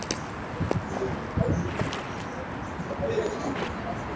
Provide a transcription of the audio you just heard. umma inaweza kufanya kulevya au utegemezi suala kubwa